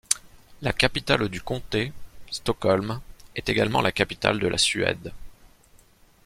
La capitale du comté, Stockholm, est également la capitale de la Suède.